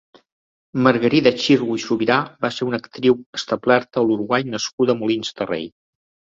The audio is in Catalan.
Margarida Xirgu i Subirà va ser una actriu establerta a l'Uruguai nascuda a Molins de Rei.